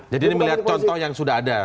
jadi ini melihat contoh yang sudah ada